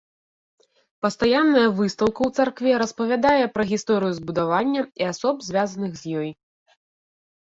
Пастаянная выстаўка ў царкве распавядае пра гісторыю збудавання і асоб, звязаных з ёй.